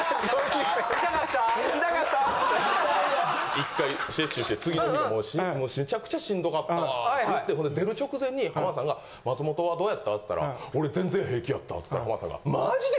１回接種して次の日もめちゃくちゃしんどかったわって言ってほんで出る直前に浜田さんが「松本はどうやった？」つったら「俺全然平気やった」つったら浜田さんが「マジで！？」